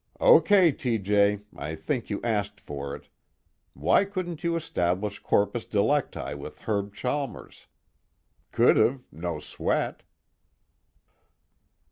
"Okay, T. J., I think you asked for it. Why couldn't you establish corpus delecti with Herb Chalmers? Could've, no sweat."